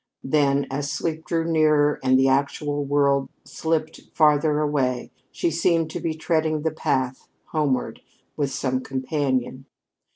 Then, as sleep drew nearer and the actual world slipped farther away, she seemed to be treading the path homeward with some companion.